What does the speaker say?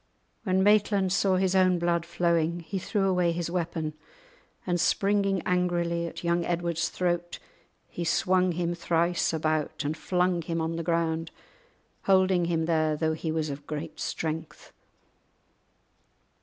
When Maitland saw his own blood flowing he threw away his weapon, and springing angrily at young Edward's throat, he swung him thrice about and flung him on the ground, holding him there though he was of great strength.